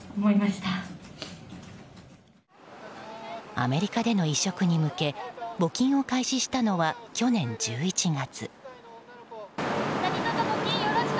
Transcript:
アメリカでの移植に向け募金を開始したのは去年１１月。